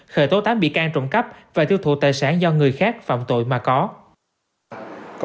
khởi tố tám bị can trộm cắp và tiêu thụ tài sản do người khác phạm tội mà có